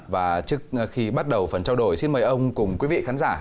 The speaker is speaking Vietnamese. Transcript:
và trước khi bắt đầu phần trao đổi xin mời ông cùng quý vị khán giả